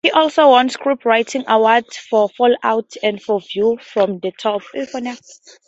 He also won scriptwriting awards for "Fallout" and for "View from the Top".